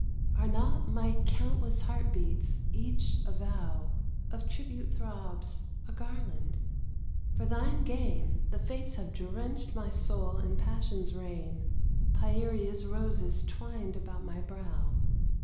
Are not my countless heart beats each a vow, Of tribute throbs a garland? For thy gain The Fates have drenched my soul in passion's rain, Pieria's roses twined about my brow.